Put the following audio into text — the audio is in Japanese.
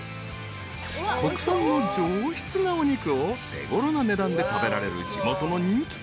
［国産の上質なお肉を手ごろな値段で食べられる地元の人気店］